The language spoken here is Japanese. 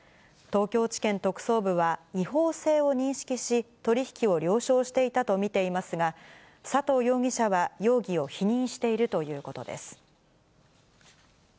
東京地検特捜部は、違法性を認識し、取り引きを了承していたと見ていますが、佐藤容疑者は容疑を否認しているということです。